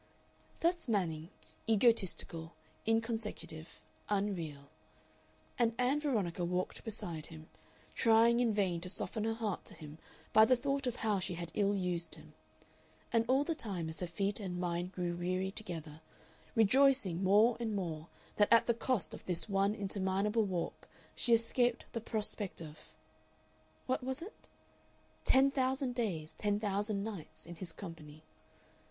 Thus Manning, egotistical, inconsecutive, unreal. And Ann Veronica walked beside him, trying in vain to soften her heart to him by the thought of how she had ill used him, and all the time, as her feet and mind grew weary together, rejoicing more and more that at the cost of this one interminable walk she escaped the prospect of what was it? "Ten thousand days, ten thousand nights" in his company.